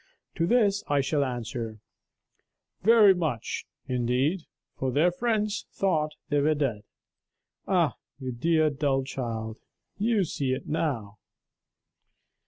To this I shall answer: 'Very much, indeed, for their friends thought they were dead.' Ah, you dear dull child, you see it now!"